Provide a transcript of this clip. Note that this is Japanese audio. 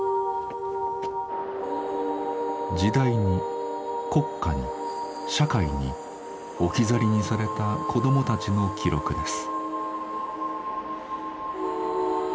時代に国家に社会に置き去りにされた子どもたちの記録です。